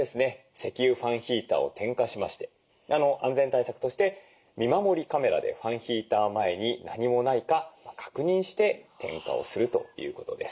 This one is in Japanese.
石油ファンヒーターを点火しまして安全対策として見守りカメラでファンヒーター前に何もないか確認して点火をするということです。